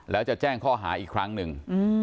แล้วจะแจ้งข้อหาอีกครั้งหนึ่ง